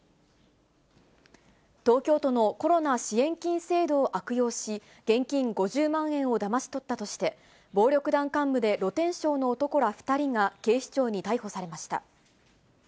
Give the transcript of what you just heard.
東京都のコロナ支援金制度を悪用し、現金５０万円をだまし取ったとして、暴力団幹部で露天商の男ら２人が、警視庁に逮捕されました。